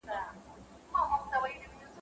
تاریخي خواړه د موسم مطابق بدلېدل.